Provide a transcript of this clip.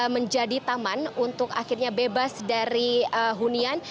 menjadi taman untuk akhirnya bebas dari hunian